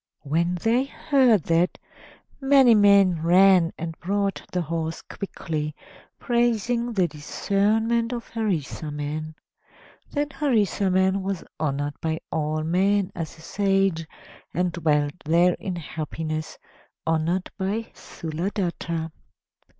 When they heard that, many men ran and brought the horse quickly, praising the discernment of Harisarman. Then Harisarman was honored by all men as a sage, and dwelt there in happiness, honored by Sthuladatta.